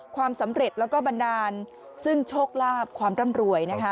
ความสำเร็จแล้วก็บันดาลซึ่งโชคลาภความร่ำรวยนะคะ